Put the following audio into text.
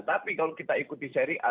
tapi kalau kita ikuti seri a